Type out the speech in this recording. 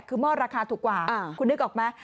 คือหม้อราคาถูกกว่าคุณนึกออกไหม